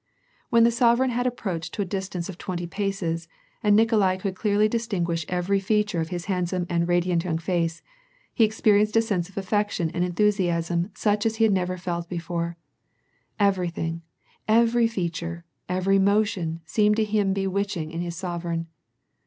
When the Sovereign had approached to a distance of twenty paces, and Nikolai could clearly dis tinguish every feature of his handsome and radiant young face, he experienced a sense of affection and enthusiasm such as he had never before felt. Everything, every feature, every motion seemed to him bewitching in his sovereign.